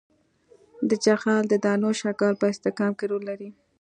د جغل د دانو شکل په استحکام کې رول لري